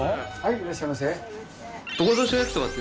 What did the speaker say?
いらっしゃいませ。